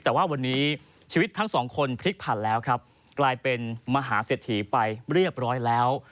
แต่ว่าวันนี้ชีวิตทั้งสองคนพลิกผันแล้วครับกลายเป็นมหาเศรษฐีไปเรียบร้อยแล้ว